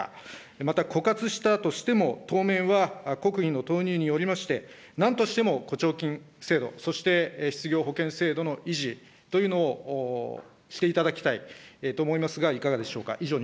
また枯渇したとしても、当面は国費の投入によりまして、なんとしても雇調金制度、そして失業保険制度の維持というのをしていただきたいと思いますが、いかがでしょうか。